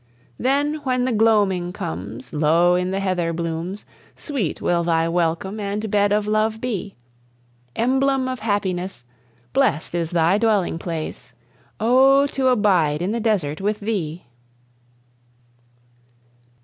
Then, when the gloaming comes, Low in the heather blooms Sweet will thy welcome and bed of love be! Emblem of happiness, Blest is thy dwelling place Oh, to abide in the desert with thee!